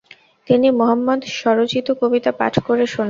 তিনি মুহাম্মাদ স্বরচিত কবিতা পাঠ করে শোনান।